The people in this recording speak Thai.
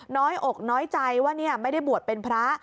น้อยอกน้อยใจว่าไม่ได้บวชเป็นพระ